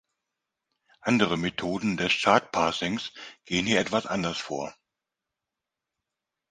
Andere Methoden des Chart-Parsings gehen hier etwas anders vor.